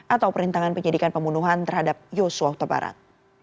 atau perintangan penyidikan pembunuhan terhadap yosua utabaran